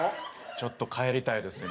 ちょっと帰りたいですね